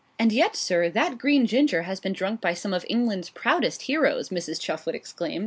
'And yet, sir, that green ginger has been drunk by some of England's proudest heroes,' Mrs. Chuff would exclaim.